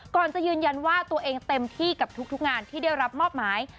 ก่อนจะยืนยันว่าตัวเองเต็มที่กับทุกงานที่ได้รับมอบหมาย